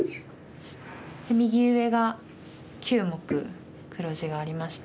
右上が９目黒地がありまして。